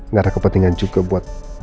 nggak ada kepentingan juga buat